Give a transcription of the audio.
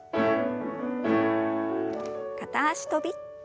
片脚跳び。